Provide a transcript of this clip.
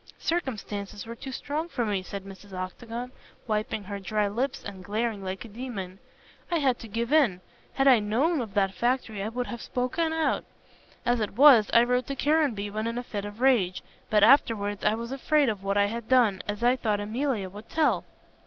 "Circumstances were too strong for me," said Mrs. Octagon, wiping her dry lips and glaring like a demon. "I had to give in. Had I known of that factory I would have spoken out. As it was, I wrote to Caranby when in a fit of rage; but afterwards I was afraid of what I had done, as I thought Emilia would tell."